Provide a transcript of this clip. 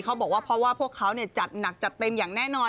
เขาบอกว่าเพราะว่าพวกเขาจัดหนักจัดเต็มอย่างแน่นอน